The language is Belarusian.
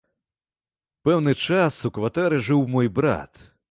Пэўны час у кватэры жыў мой брат.